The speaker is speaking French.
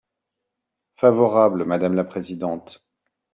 Favorable, madame la présidente.